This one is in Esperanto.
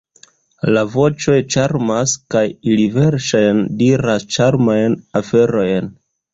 La voĉoj ĉarmas, kaj ili verŝajne diras ĉarmajn aferojn.